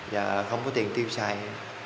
dạ không có tiền tiêu xài